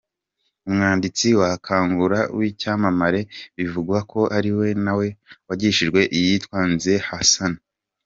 Umwanditsi wa Kangura w’icyamamare bivugwa ko ari nawe wagishinje yitwa Ngeze Hassan.